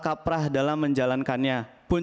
kaprah dalam menjalankannya pun